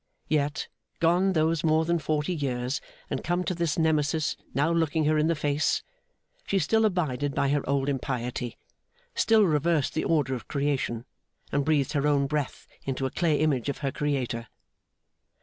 Yet, gone those more than forty years, and come this Nemesis now looking her in the face, she still abided by her old impiety still reversed the order of Creation, and breathed her own breath into a clay image of her Creator.